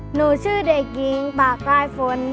หนูชื่อเด็กหญิงปากปลายฝน